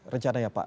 rencana ya pak